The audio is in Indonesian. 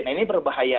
nah ini berbahaya